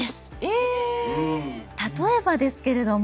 例えばですけれども。